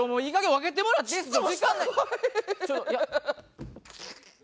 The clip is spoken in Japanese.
分けてもらっていいですか？